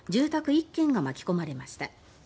１軒が巻き込まれました。